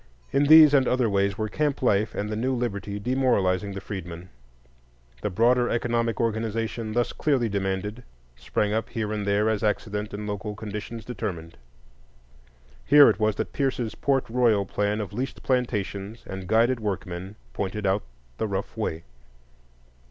In these and other ways were camp life and the new liberty demoralizing the freedmen. The broader economic organization thus clearly demanded sprang up here and there as accident and local conditions determined. Here it was that Pierce's Port Royal plan of leased plantations and guided workmen pointed out the rough way.